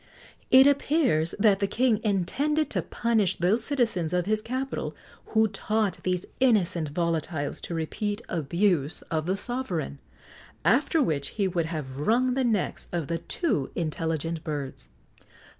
It appears that the king intended to punish those citizens of his capital who taught these innocent volatiles to repeat abuse of the sovereign, after which he would have wrung the necks of the too intelligent birds.